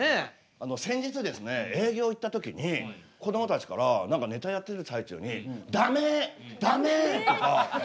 あの先日ですね営業行った時にこどもたちから何かネタやってる最中に「ダメ！ダメ！」とか。